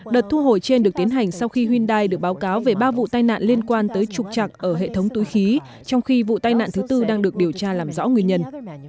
đợt thu hồi trên được tiến hành sau khi hyundai được báo cáo về ba vụ tai nạn liên quan tới trục trặc ở hệ thống túi khí trong khi vụ tai nạn thứ tư đang được điều tra làm rõ nguyên nhân